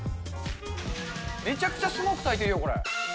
めちゃくちゃスモークたいてるよ、これ。